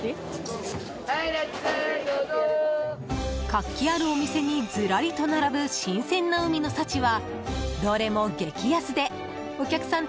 活気あるお店にずらりと並ぶ新鮮な海の幸はどれも激安でお客さん